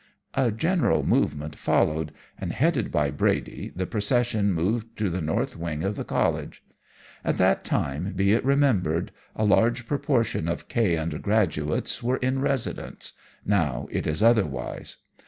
"A general movement followed, and headed by Brady the procession moved to the north wing of the College. At that time, be it remembered, a large proportion of K. undergrads were in residence now it is otherwise.